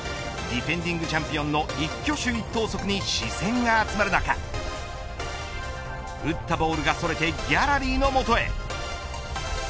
ディフェンディングチャンピオンの一挙手一投足に視線が集まる中打ったボールがそれてギャラリーのもとへ。